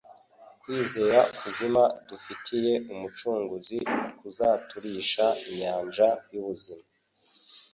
Kwizera kuzima dufitiye Umucunguzi kuzaturisha inyanja y'ubuzima